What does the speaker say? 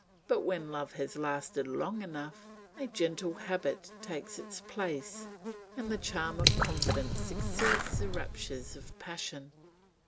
But when love has lasted long enough, a gentle habit takes its place and the charm of confidence succeeds the raptures of passion.